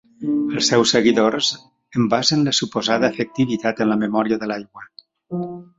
Els seus seguidors en basen la suposada efectivitat en la memòria de l'aigua.